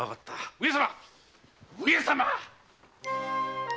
上様上様！